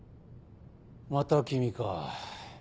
また君か。